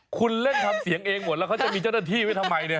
คุณเล่นทำเสียงเองหมดแล้วเขาจะมีเจ้าหน้าที่ไว้ทำไมเนี่ย